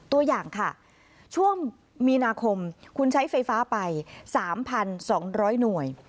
ตัวอย่างค่ะช่วงมีนาคมคุณใช้ไฟฟ้าไป๓๒๐๐หน่วย